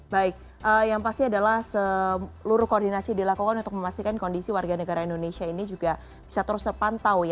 baik yang pasti adalah seluruh koordinasi dilakukan untuk memastikan kondisi warga negara indonesia ini juga bisa terus terpantau